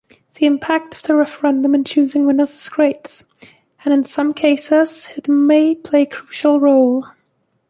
The impact of the referendum in choosing winners is great, and in some cases it may play crucial role.